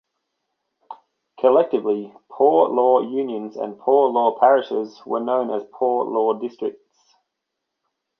Collectively, poor law unions and poor law parishes were known as poor law districts.